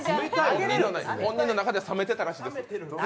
本人の中では冷めてたらしく。